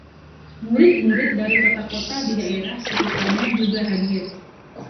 Murid-murid dari kota-kota di daerah sekitarnya juga hadir.